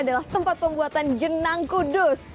adalah tempat pembuatan jenang kudus